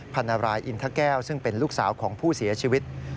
พันรายอินทะแก้วซึ่งเป็นลูกสาวของผู้เสียชีวิต